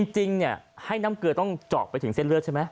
จริงให้น้ำเกลือต้องเจาะไปถึงเส้นเลือดใช่ไหม